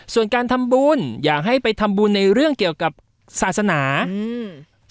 ส่วนการทำบุญอยากให้ไปทำบุญในเรื่องเกี่ยวกับศาสนาอืม